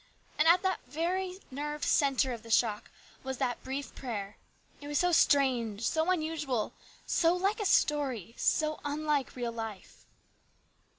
And at the very nerve centre of the shock was that brief prayer. It was so strange, so unusual, so like a story, so unlike real life.